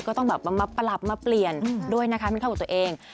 ก็ต้องแบบมาปรับมาเปลี่ยนด้วยนะคะเป็นข้อของตัวเอง